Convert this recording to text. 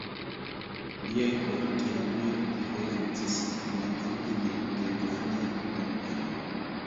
Liaj orgenoj diferencis fundamente de germanaj orgenoj.